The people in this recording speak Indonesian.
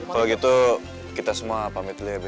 kalau gitu kita semua pamit dulu ya be